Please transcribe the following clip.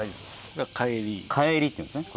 「かえり」っていうんですね